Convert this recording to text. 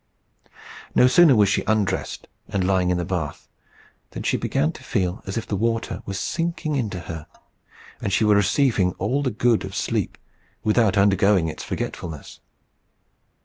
No sooner was she undressed and lying in the bath, than she began to feel as if the water were sinking into her, and she were receiving all the good of sleep without undergoing its forgetfulness.